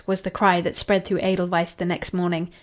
was the cry that spread through Edelweiss the next morning.